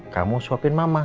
kamu suapin mama